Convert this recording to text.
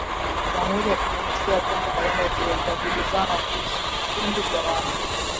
Jamhuri ya Kidemokrasia ya Kongo na Rwanda zajibizana kuhusu vikundi vya waasi